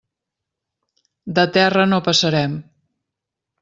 De terra no passarem.